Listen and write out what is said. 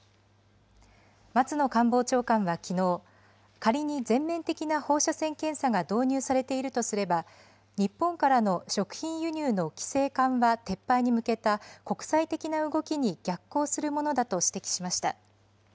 松野官房長官はきのう、仮に全面的な放射線検査が導入されているとすれば、日本からの食品輸入の規制緩和・撤廃に向けた国際的な動きに逆行するものだと指摘しました。